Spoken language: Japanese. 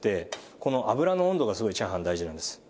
この油の温度がすごいチャーハン大事なんです。